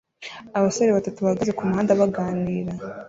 Abasore batatu bahagaze kumuhanda baganira